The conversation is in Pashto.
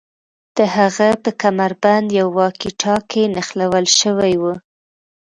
د هغه په کمربند یو واکي ټاکي نښلول شوی و